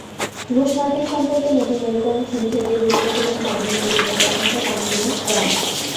রুশ-মার্কিন সম্পর্কের নতুন মেরুকরণশুরু থেকেই রুশ প্রেসিডেন্ট ভ্লাদিমির পুতিনের প্রশংসায় পঞ্চমুখ ট্রাম্প।